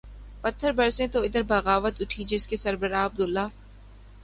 پتھر برسیں تو ادھر بغاوت اٹھی جس کے سربراہ عبداللہ